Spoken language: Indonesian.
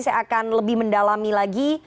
saya akan lebih mendalami lagi